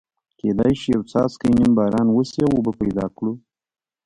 کېدای شي یو څاڅکی نیم باران وشي او اوبه پیدا کړو.